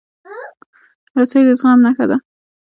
رسۍ د زغم نښه ده.